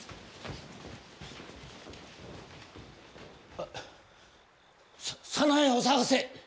あっさ早苗を捜せ！